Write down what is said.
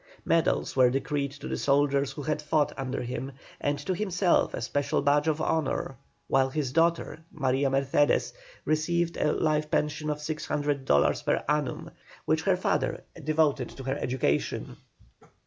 Medals were decreed to the soldiers who had fought under him, and to himself a special badge of honour, while his daughter, Maria Mercedes, received a life pension of 600 dollars per annum, which her father devoted to her education.